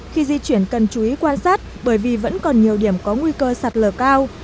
khi di chuyển cần chú ý quan sát bởi vì vẫn còn nhiều điểm có nguy cơ sạt lở cao